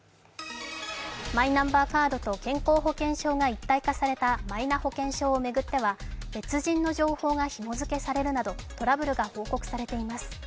マイナンバーカードと健康保険証が一体化されたマイナ保険証を巡っては別人の情報がひも付けされるなどトラブルが報告されています。